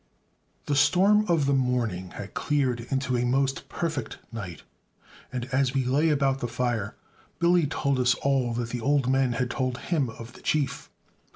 The storm of the morning had cleared into a most perfect night; and, as we lay about the fire, Billy told us all that the old men had told him of the Chief.